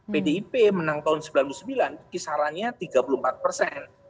pdip menang tahun seribu sembilan ratus sembilan puluh sembilan kisarannya tiga puluh empat persen